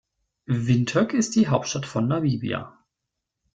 Windhoek ist die Hauptstadt von Namibia.